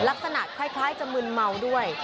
ลักษณะคล้ายจะมึนเมาด้วย